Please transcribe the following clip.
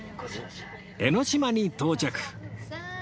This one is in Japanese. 江ノ島に到着